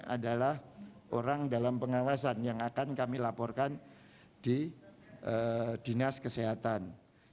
adalah orang dalam pengawasan yang akan kami laporkan di dinas kesehatan